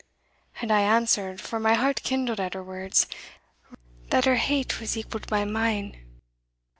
And I answered, for my heart kindled at her words, that her hate was equalled by mine."